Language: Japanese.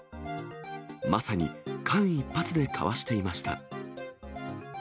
まさに間一髪でかわしていました。